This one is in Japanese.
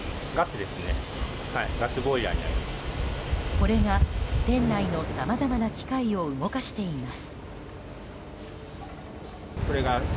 これが店内のさまざまな機械を動かしています。